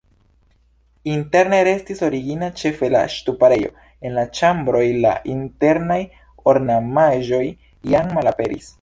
Interne restis origina ĉefe la ŝtuparejo, en la ĉambroj la internaj ornamaĵoj jam malaperis.